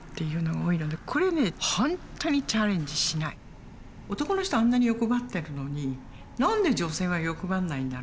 これねほんとに男の人はあんなに欲張ってるのに何で女性は欲張んないんだろうと。